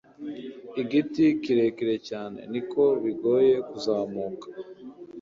Igiti kirekire cyane, niko bigoye kuzamuka.